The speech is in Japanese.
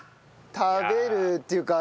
食べるっていうか。